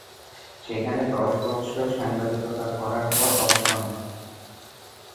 সেখানে দশ বৎসর সাংবাদিকতা করার পর অবসর নেন।